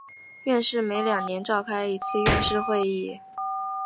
院士每两年召开一次院士会议。